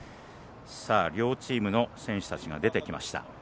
両チームの選手たちが出てきました。